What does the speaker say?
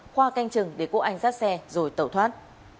khoa canh chừng để quốc anh dắt xe rồi tẩu thoát